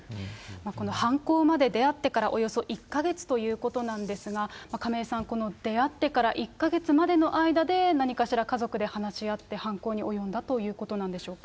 この犯行まで、出会ってからおよそ１か月ということなんですが、亀井さん、この出会ってから１か月までの間で、何かしら家族で話し合って犯行に及んだということなんでしょうか。